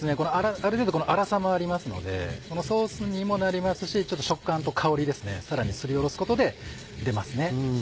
ある程度粗さもありますのでソースにもなりますしちょっと食感と香りですねさらにすりおろすことで出ます。